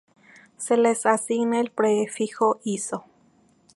Se les asigna el prefijo iso-.